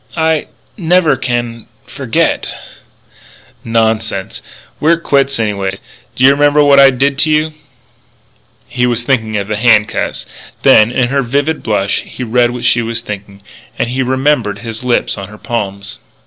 "I never can forget " "Nonsense. We're quits anyway. Do you remember what I did to you?" He was thinking of the handcuffs. Then, in her vivid blush he read what she was thinking. And he remembered his lips on her palms.